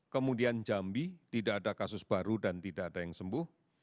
kemudian jambi tidak ada kasus baru dan tidak ada yang sembuh